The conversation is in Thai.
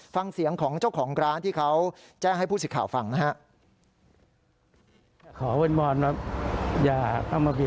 ฟังเสียงของเจ้าของร้านที่เขาแจ้งให้ผู้สิทธิ์ข่าวฟังนะครับ